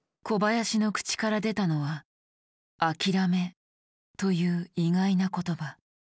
小林の口から出たのは“諦め”という意外な言葉。